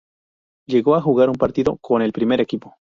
Llegó a jugar un partido con el primer equipo.